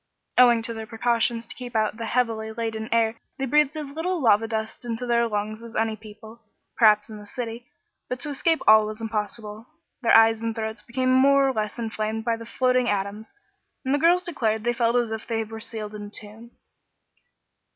Owing to their wise precautions to keep out the heavily laden air they breathed as little lava dust into their lungs as any people, perhaps, in the city; but to escape all was impossible. Their eyes and throats became more or less inflamed by the floating atoms, and the girls declared they felt as if they were sealed up in a tomb.